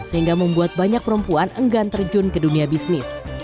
sehingga membuat banyak perempuan enggan terjun ke dunia bisnis